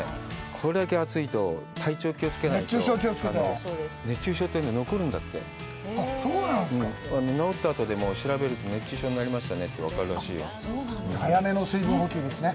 これだけ暑いと体調気をつけないと熱中症気をつけて熱中症って残るんだってそうなんですか治ったあとでも調べると熱中症になりましたねって分かるらしいよ早めの水分補給ですね